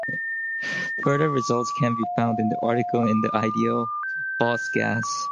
Further results can be found in the article on the ideal Bose gas.